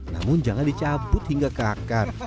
namun jangan dicabut hingga ke akar